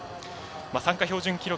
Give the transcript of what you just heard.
参加標準記録